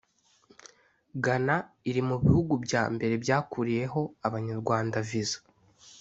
Ghana iri mu bihugu bya mbere byakuriyeho Abanyarwanda viza